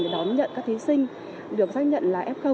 đón nhận các thí sinh được xác nhận là f